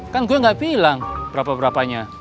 kan gue gak bilang berapa berapanya